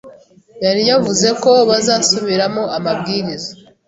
yari yavuze ko bazasubiramo amabwiriza